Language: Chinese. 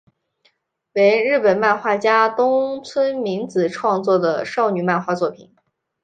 为日本漫画家东村明子创作的少女漫画作品。